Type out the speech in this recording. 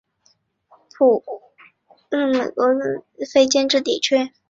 霍普顿是位于美国加利福尼亚州默塞德县的一个非建制地区。